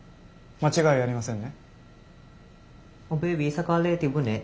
間違いありません。